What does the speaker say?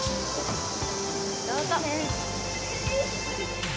どうぞ。